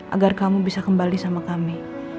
agar kamu bisa kembali sama kami